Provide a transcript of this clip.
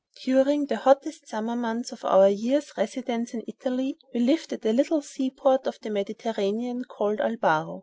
During the hottest summer months of our year's residence in Italy, we lived at a little seaport of the Mediterranean called Albaro.